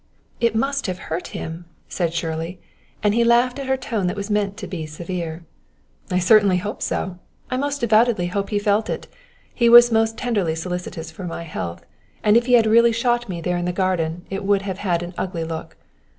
"It must have hurt him," said Shirley; and he laughed at her tone that was meant to be severe. "I certainly hope so; I most devoutly hope he felt it! He was most tenderly solicitous for my health; and if he had really shot me there in the garden it would have had an ugly look.